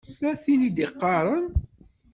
Tella tin i d-iɣaṛen.